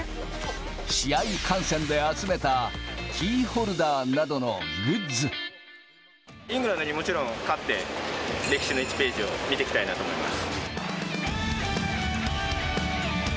試合観戦で集めた、キーホルイングランドに、もちろん勝って、歴史の１ページを見てきたいなと思います。